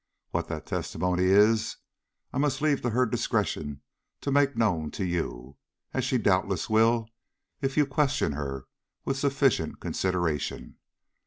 What that testimony is, I must leave to her discretion to make known to you, as she doubtless will, if you question her with sufficient consideration.